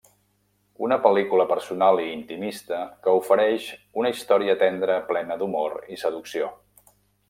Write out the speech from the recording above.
Una pel·lícula personal i intimista que oferix una història tendra plena d'humor i seducció.